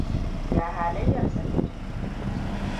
Ya halayyarsa ta ke?